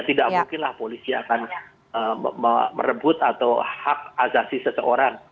tidak mungkinlah polisi akan merebut atau hak azasi seseorang